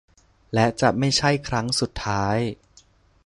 และจะไม่ใช่ครั้งสุดท้าย